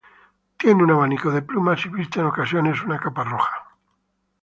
Tiene un abanico de plumas y viste en ocasiones una capa roja.